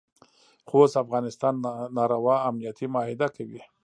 خو اوس افغانستان ناروا امنیتي معاهده کوي.